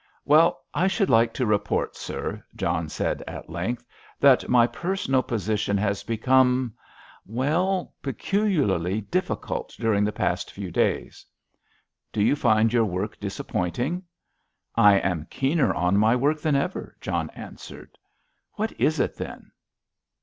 "Well, I should like to report, sir," John said at length, "that my personal position has become—well, peculiarly difficult during the past few days." "Do you find your work disappointing?" "I am keener on my work than ever," John answered. "What is it, then?"